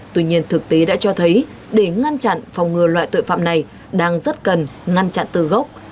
tuy nhiên thực tế đã cho thấy để ngăn chặn phòng ngừa loại tội phạm này đang rất cần ngăn chặn từ gốc